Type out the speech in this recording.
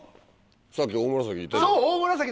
さっきオオムラサキいたじゃん。